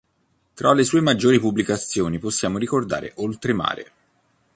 Tra le sue maggiori pubblicazioni possiamo ricordare "Oltremare.